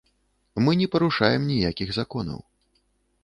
Мы не парушаем ніякіх законаў.